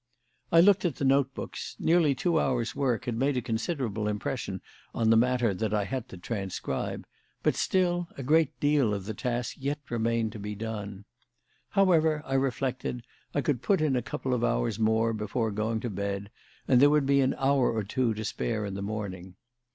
I looked at the note books. Nearly two hours' work had made a considerable impression on the matter that I had to transcribe, but still, a great deal of the task yet remained to be done. However, I reflected, I could put in a couple of hours more before going to bed and there would be an hour or two to spare in the morning.